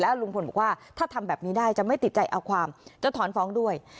ลุงพลบอกว่าถ้าทำแบบนี้ได้จะไม่ติดใจเอาความจะถอนฟ้องด้วย